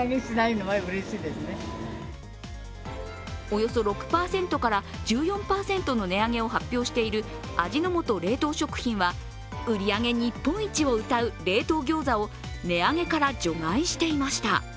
およそ６％から１４％の値上げを発表している味の素冷凍食品は、売り上げ日本一をうたう冷凍ギョーザを値上げから除外していました。